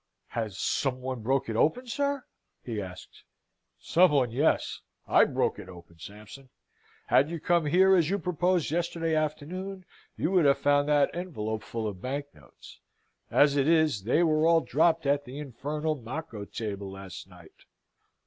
"Has some one broke it open, sir?" he asks. "Some one, yes. I broke it open, Sampson. Had you come here as you proposed yesterday afternoon, you would have found that envelope full of bank notes. As it is, they were all dropped at the infernal macco table last night."